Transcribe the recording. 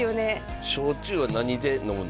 焼酎は何で飲むの？